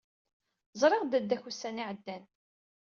Ẓriɣ dadda-k ussan-a iɛeddan.